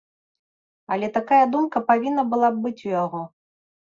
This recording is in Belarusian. Але такая думка павінна была б быць у яго.